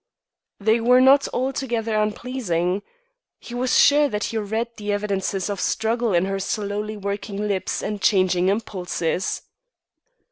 They were not altogether unpleasing. He was sure that he read the evidences of struggle in her slowly working lips and changing impulses.